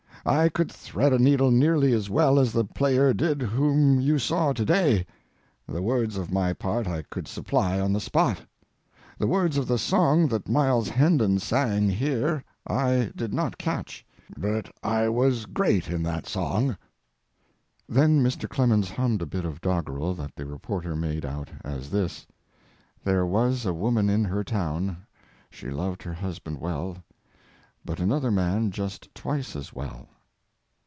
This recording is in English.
I could thread a needle nearly as well as the player did whom you saw to day. The words of my part I could supply on the spot. The words of the song that Miles Hendon sang here I did not catch. But I was great in that song. [Then Mr. Clemens hummed a bit of doggerel that the reporter made out as this: "There was a woman in her town, She loved her husband well, But another man just twice as well."